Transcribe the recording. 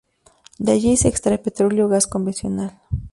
De allí se extrae petróleo gas convencional.